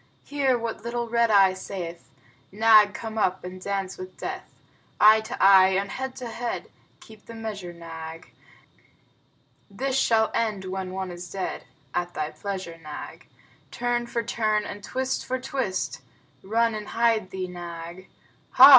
Hear what little Red Eye saith: "Nag, come up and dance with death!" Eye to eye and head to head, (Keep the measure, Nag.) This shall end when one is dead; (At thy pleasure, Nag.) Turn for turn and twist for twist (Run and hide thee, Nag.) Hah!